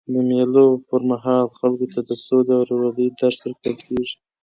د مېلو پر مهال خلکو ته د سولي او ورورولۍ درس ورکول کېږي.